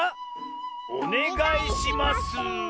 おねがいします。